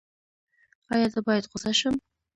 ایا زه باید غوسه شم؟